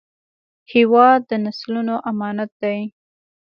هېواد د نسلونو امانت دی.